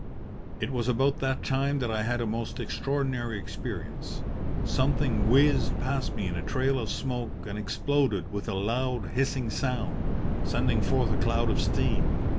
"It was about that time that I had a most extraordinary experience. Something whizzed past me in a trail of smoke and exploded with a loud, hissing sound, sending forth a cloud of steam.